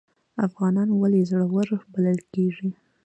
افغانان ولې زړور بلل کیږي؟